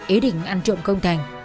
ý định ăn trộm công thành